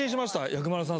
薬丸さん